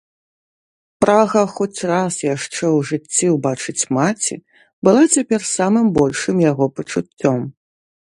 Прага хоць раз яшчэ ў жыцці ўбачыць маці была цяпер самым большым яго пачуццём.